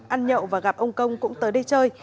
ăn nhậu và gặp ông công cũng tới đây chơi